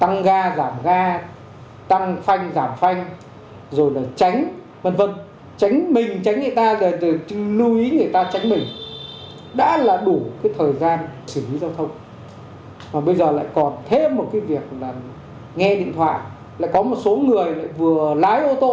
nếu một cái việc là nghe điện thoại lại có một số người lại vừa lái ô tô